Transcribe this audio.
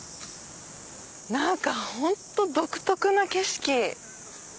何かホント独特な景色。